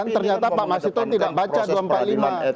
ternyata pak mas hiton tidak baca dua ratus empat puluh lima